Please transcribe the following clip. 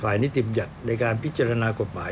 ฝ่ายนิติมหยัดในการพิจารณากฎหมาย